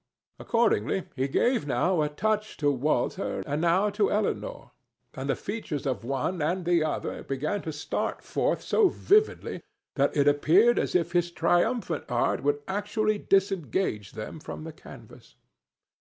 Accordingly, he gave now a touch to Walter and now to Elinor, and the features of one and the other began to start forth so vividly that it appeared as if his triumphant art would actually disengage them from the canvas.